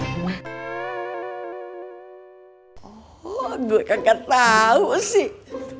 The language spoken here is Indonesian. gue kagak tau sih